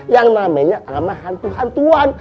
yang namanya hantu hantuan